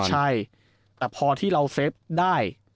ใช่แต่พอที่เราเซฟได้